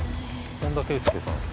本田圭佑さん？